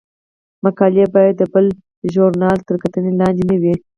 مقالې باید د بل ژورنال تر کتنې لاندې نه وي.